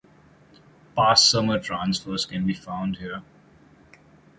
Past Summer transfers can be found here.